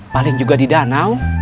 paling juga di danau